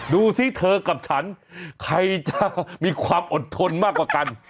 ดูสิเธอกับฉันใครจะมีความอดทนมากกว่ากัน